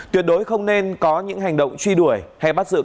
tuyệt đối không nên có những hành động bao che chế chấp các đối tượng